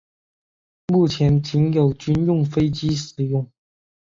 目前仅有军用飞机使用。